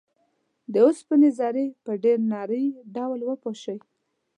د اوسپنې ذرې په ډیر نري ډول وپاشئ.